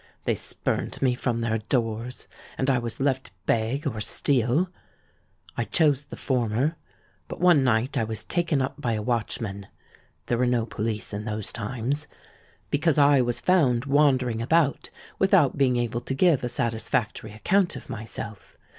They spurned me from their doors; and I was left to beg or steal. I chose the former; but one night I was taken up by a watchman (there were no police in those times) because I was found wandering about without being able to give a satisfactory account of myself.